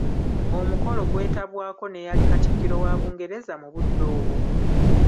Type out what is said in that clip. Omukolo gwetabwako n'eyali Katikkiro wa Bungereza mu budde obwo.